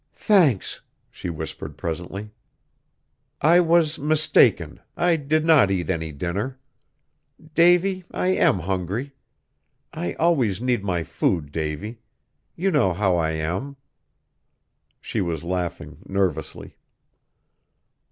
"Thanks!" she whispered presently. "I was mistaken, I did not eat any dinner. Davy, I am hungry. I always need my food, Davy; you know how I am." She was laughing nervously.